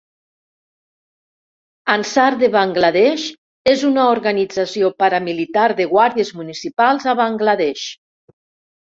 Ansar de Bangla Desh és una organització paramilitar de guàrdies municipals a Bangla Desh.